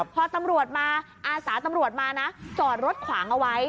พออาศาตำรวจมาจอดรถขวางเอาไว้